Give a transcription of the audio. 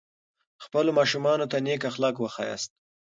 خپلو ماشومانو ته نیک اخلاق وښایاست.